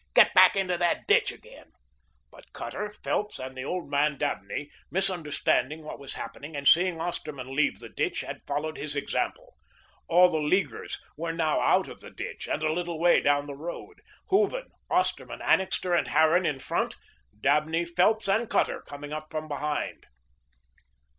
Get back into the ditch again." But Cutter, Phelps, and the old man Dabney, misunderstanding what was happening, and seeing Osterman leave the ditch, had followed his example. All the Leaguers were now out of the ditch, and a little way down the road, Hooven, Osterman, Annixter, and Harran in front, Dabney, Phelps, and Cutter coming up from behind.